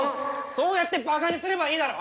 そうやってバカにすればいいだろう！